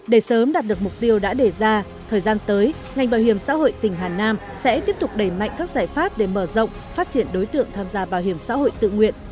để sớm đạt được mục tiêu đã đề ra thời gian tới ngành bảo hiểm xã hội tỉnh hà nam sẽ tiếp tục đẩy mạnh các giải pháp để mở rộng phát triển đối tượng tham gia bảo hiểm xã hội tự nguyện